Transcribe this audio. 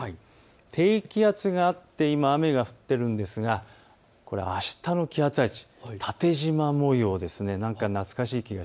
低気圧があって今、雨が降っていますがあしたの気圧配置、縦じま模様です。